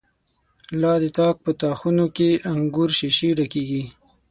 لا د تاک په تا خانو کی، دانګور ښيښی ډکيږی